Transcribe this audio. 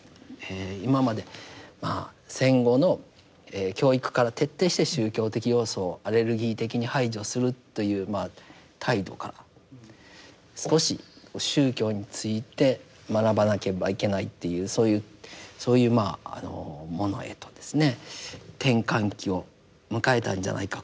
今まで戦後の教育から徹底して宗教的要素をアレルギー的に排除するという態度から少し宗教について学ばなければいけないっていうそういうものへとですね転換期を迎えたんじゃないか。